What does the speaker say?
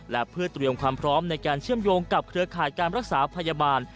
และเพื่อเตรียมความพร้อมในการเชื่อมโยงกับเครือข่ายการรักษาพยาบาล